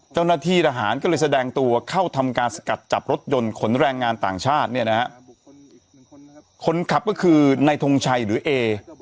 เจ้าหน้าที่ทหารก็เลยแสดงตัวเข้าทำการสกัดจับรถยนต์ขนแรงงานต่างชาติเนี่ยนะฮะคนขับก็คือในทงชัยหรือเอ